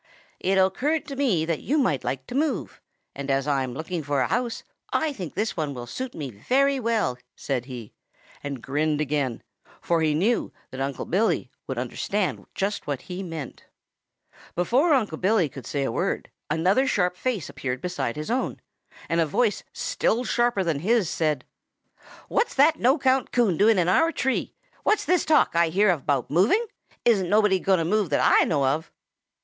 "It occurred to me that you might like to move, and as I'm looking for a house, I think this one will suit me very well," said he, and grinned again, for he knew that Unc' Billy would understand just what he meant. [Illustration: 0084] Before Unc' Billy could say a word, another sharp face appeared beside his own, and a voice still sharper than his said: "What's that no 'count Coon doing in our tree? What's this talk Ah hear about moving? Isn't nobody gwine to move that Ah knows of."